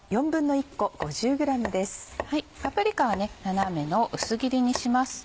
パプリカは斜めの薄切りにします。